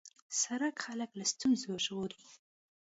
سړک خلک له ستونزو ژغوري.